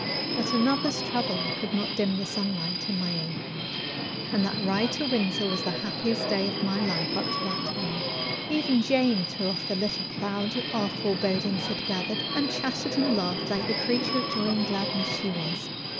But another's trouble could not dim the sunlight in my own heart, and that ride to Windsor was the happiest day of my life up to that time. Even Jane threw off the little cloud our forebodings had gathered, and chatted and laughed like the creature of joy and gladness she was.